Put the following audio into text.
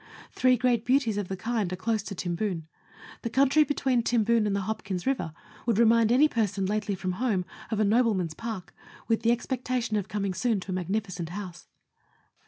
Three great beauties of the kind are close to Timboon. The country between Timboon and the Hopkins River would remind any person lately from home of a nobleman's park, with the expectation of coming soon to a magnificent house.